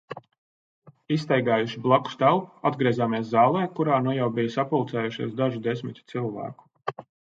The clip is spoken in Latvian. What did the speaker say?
Izstaigājuši blakus telpu, atgriezāmies zālē, kurā nu jau bija sapulcējušies daži desmiti cilvēku.